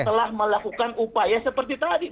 telah melakukan upaya seperti tadi